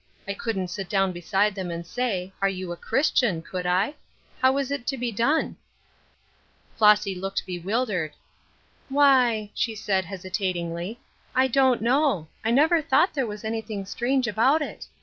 I couldn't sit down beside them and say, ' Are you a Christian ?' could I ? How is it to be done ?" Flossy looked bewildered. "Why," she said, hesitatingly, "I don't know. I never thought there was anything strange about it.